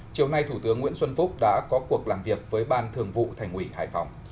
chiều nay thủ tướng nguyễn xuân phúc đã có cuộc làm việc với ban thường vụ thành ủy hải phòng